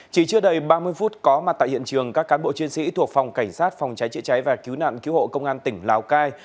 chỉ chưa đầy ba mươi phút có mà tại hiện trường các cán bộ chiến sĩ thuộc phòng cảnh sát phòng trái trị trái và cứu nạn cứu hộ công an tỉnh lào cai